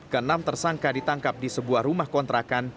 ke enam tersangka ditangkap di sebuah rumah kontrakan